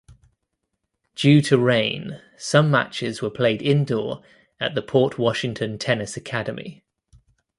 Due to rain some matches were played indoor at the Port Washington Tennis Academy.